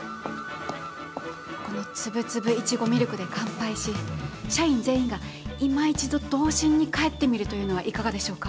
このつぶつぶいちごミルクで乾杯し社員全員がいま一度童心に返ってみるというのはいかがでしょうか。